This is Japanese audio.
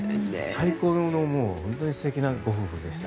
最高の、本当に素敵なご夫婦でした。